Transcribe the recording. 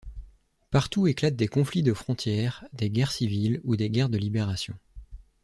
Partout éclatent des conflits de frontières, des guerres civiles ou des guerres de libération.